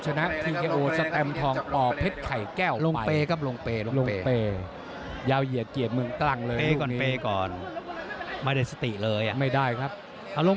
สุดท้ายแล้วขวาตรงเนี่ย